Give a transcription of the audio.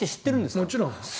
もちろん。